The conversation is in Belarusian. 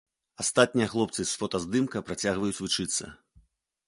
Астатнія хлопцы з фотаздымка працягваюць вучыцца.